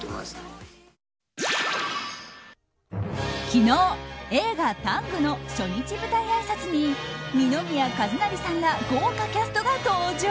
昨日映画「ＴＡＮＧタング」の初日舞台あいさつに二宮和也さんら豪華キャストが登場。